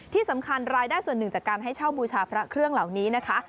ที่สำคัญรายได้ส่วนหนึ่งจากการให้เช่าบูชาพระเครื่องเหล่านี้นะคะ